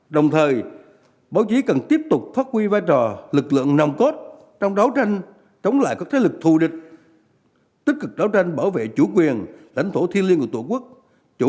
đồng thời báo chí cần tiếp tục phát huy vai trò lực lượng nòng cốt trong đấu tranh chống lại các thế lực thù địch tích cực đấu tranh bảo vệ chủ quyền lãnh thổ thiên liêng của tổ quốc